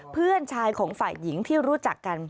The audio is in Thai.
เพื่อนชายของฝ่ายหญิงที่รู้จักกัน